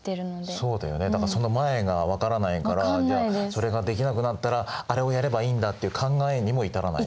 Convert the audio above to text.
そうだよねだからその前が分からないからじゃあそれができなくなったらあれをやればいいんだっていう考えにも至らない。